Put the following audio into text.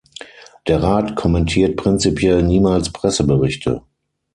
Der Rat kommentiert prinzipiell niemals Presseberichte.